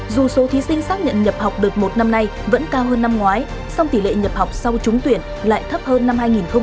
dù số thí sinh xác nhận nhập học đợt một năm nay vẫn cao hơn năm ngoái song tỷ lệ nhập học sau trúng tuyển lại thấp hơn năm hai nghìn một mươi tám